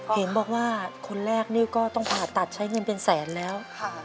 เห็นบอกว่าคนแรกนี่ก็ต้องผ่าตัดใช้เงินเป็นแสนแล้ว